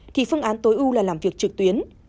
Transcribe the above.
thì phương án tối ưu là làm việc trực tuyến